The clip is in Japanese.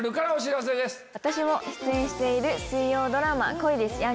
私も出演している水曜ドラマ。